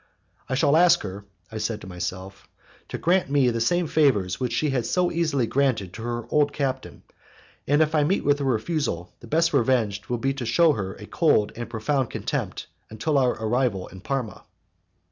"I shall ask her," said I to myself, "to grant me the same favours which she has so easily granted to her old captain, and if I meet with a refusal the best revenge will be to shew her a cold and profound contempt until our arrival in Parma."